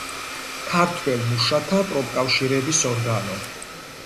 ქართველ მუშათა პროფკავშირების ორგანო.